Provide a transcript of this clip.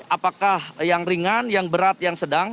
apakah yang ringan yang berat yang sedang